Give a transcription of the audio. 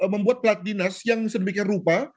membuat plat dinas yang sedemikian rupa